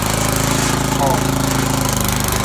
آب لیمو